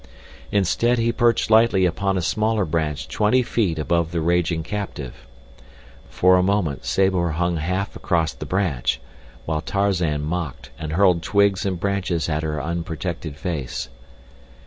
Instead he perched lightly upon a smaller branch twenty feet above the raging captive. For a moment Sabor hung half across the branch, while Tarzan mocked, and hurled twigs and branches at her unprotected face.